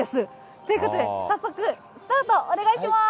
ということで、早速スタート、お願いします。